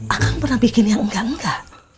akang pernah bikin yang enggak enggak